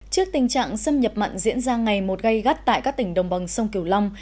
trước tình trạng xâm nhập mặn diễn ra ngày một gây gắt tại các tỉnh đồng bằng sông kiều long